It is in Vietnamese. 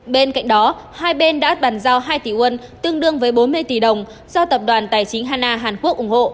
bên cạnh đó hai bên đã bàn giao hai tỷ won tương đương với bốn mươi tỷ đồng do tập đoàn tài chính hana hàn quốc ủng hộ